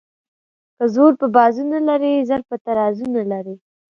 ـ که زور په بازو نه لري زر په ترازو نه لري.